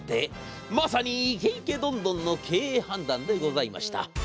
まさに、イケイケドンドンの経営判断でございました。